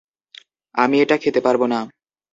আমি এটা খেতে পারবোনা।